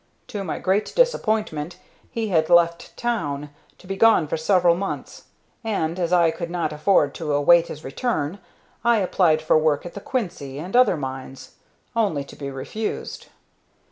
To my great disappointment, he had left town, to be gone for several months, and, as I could not afford to await his return, I applied for work at the Quincy and other mines, only to be refused."